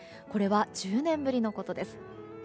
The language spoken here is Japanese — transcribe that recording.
これは１０年ぶりのことです。